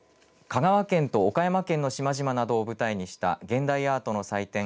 香川県と岡山県の島々などを舞台にした現代アートの祭典